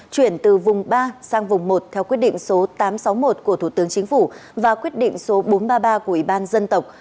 chuyển từ vùng ba sang vùng một theo quyết định số tám trăm sáu mươi một của thủ tướng chính phủ và quyết định số bốn trăm ba mươi ba của ủy ban dân tộc